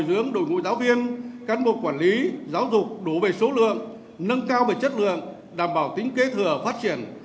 nhà trường đổi ngũi giáo viên căn bộ quản lý giáo dục đủ về số lượng nâng cao về chất lượng đảm bảo tính kế thừa phát triển